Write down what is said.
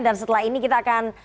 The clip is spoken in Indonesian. dan setelah ini kita akan